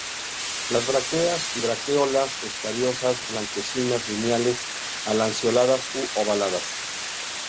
Las brácteas y bracteolas escariosas, blanquecinas, lineales a lanceoladas u ovaladas.